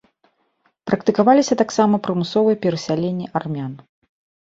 Практыкаваліся таксама прымусовыя перасяленні армян.